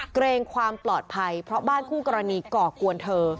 เกรงความปลอดภัยเพราะบ้านคู่กรณีก่อกวนเธอ